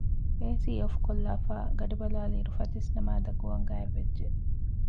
އޭސީ އޮފްކޮށްލާފައި ގަޑިބަލައިލިއިރު ފަތިސްނަމާދަށް ގޮވަން ގާތްވެއްޖެ